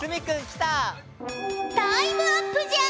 タイムアップじゃ！